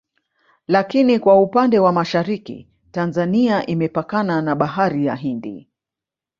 Lakini kwa upande wa Mashariki Tanzania imepakana na Bahari ya Hindi